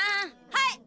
はい！